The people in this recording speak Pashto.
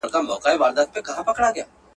چي څه عقل یې درلودی هغه خام سو !.